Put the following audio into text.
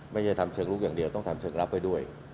ไม่ใช่ทำเชิงลุกอย่างเดียวต้องทำเชิงลับไว้ด้วย